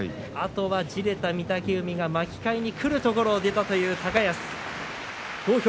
あとはじれた御嶽海が巻き替えにくるところを出たという高安。